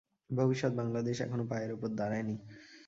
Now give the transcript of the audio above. ভবিষ্যৎ বাঙলাদেশ এখনও পায়ের উপর দাঁড়ায়নি।